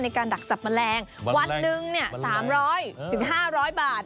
ในการดักจับแมลงวันหนึ่งเนี่ย๓๐๐ถึง๕๐๐บาท